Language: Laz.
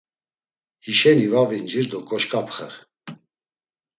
Hişeni va vincir do koşǩapxer.